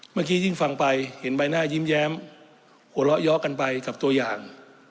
เมื่อกี้ยิ่งฟังไปเห็นใบหน้ายิ้มแย้มหัวเราะย้อกันไปกับตัวอย่าง